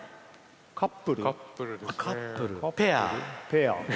カップル、ペア。